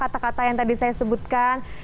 kata kata yang tadi saya sebutkan